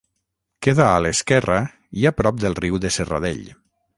Queda a l'esquerra i a prop del riu de Serradell.